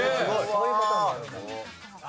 そういうパターンもあるんだ。